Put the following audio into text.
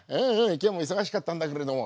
今日も忙しかったんだけれども。